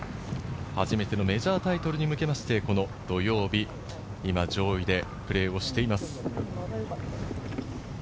初めてのメジャータイトルに向けましてこの土曜日、今、上位でプレーをしています。